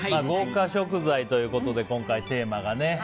豪華食材ということで今回、テーマがね。